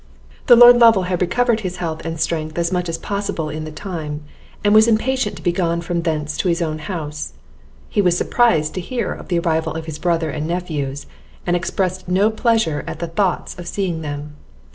The Lord Lovel had recovered his health and strength as much as possible in the time, and was impatient to be gone from thence to his own house. He was surprised to hear of the arrival of his brother and nephews, and expressed no pleasure at the thoughts of seeing them.